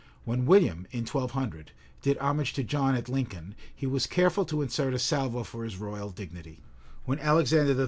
When William, in 1200, did homage to John at Lincoln, he was careful to insert a salvo for his royal dignity;[*] when Alexander III.